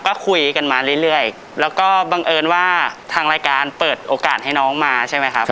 ก็คุยกันมาเรื่อยแล้วก็บังเอิญว่าทางรายการเปิดโอกาสให้น้องมาใช่ไหมครับ